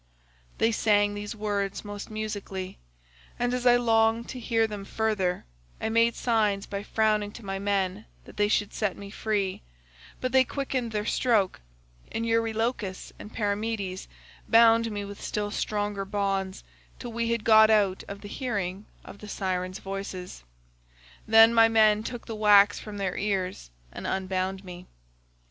"They sang these words most musically, and as I longed to hear them further I made signs by frowning to my men that they should set me free; but they quickened their stroke, and Eurylochus and Perimedes bound me with still stronger bonds till we had got out of hearing of the Sirens' voices. Then my men took the wax from their ears and unbound me.